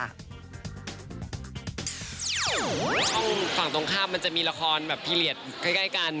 ช่องฝั่งตรงข้ามมันจะมีละครแบบพีเรียสใกล้กัน